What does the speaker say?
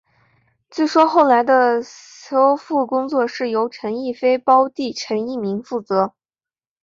据说后来的修复工作是由陈逸飞胞弟陈逸鸣负责。